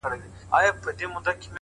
خپل هدف ته وفادار پاتې شئ،